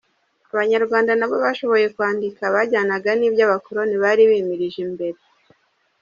Abanyarwanda na bo bashoboye kwandika byajyanaga n’ibyo abakoloni bari bimirije imbere.